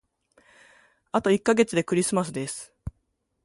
あと一ヶ月でクリスマスです。